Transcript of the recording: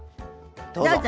どうぞ。